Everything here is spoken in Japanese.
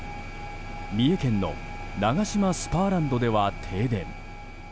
三重県のナガシマスパーランドでは停電。